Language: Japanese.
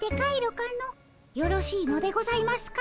よろしいのでございますか？